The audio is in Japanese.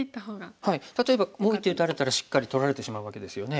例えばもう１手打たれたらしっかり取られてしまうわけですよね。